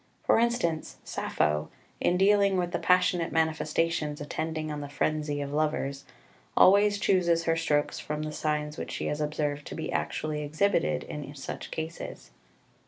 For instance, Sappho, in dealing with the passionate manifestations attending on the frenzy of lovers, always chooses her strokes from the signs which she has observed to be actually exhibited in such cases.